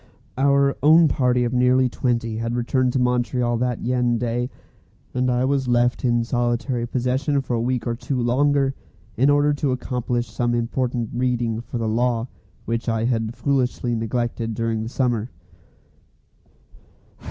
Our own party of nearly twenty had returned to Montreal that very day, and I was left in solitary possession for a week or two longer, in order to accomplish some important "reading" for the law which I had foolishly neglected during the summer.